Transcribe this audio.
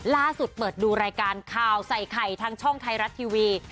เปิดดูรายการข่าวใส่ไข่ทางช่องไทยรัฐทีวี